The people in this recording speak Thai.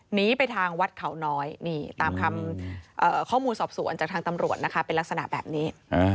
หนีไปทางวัดเขาน้อยนี่ตามคำข้อมูลสอบสวนจากทางตำรวจนะคะเป็นลักษณะแบบนี้